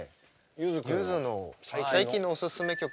ゆづの最近のおすすめ曲を。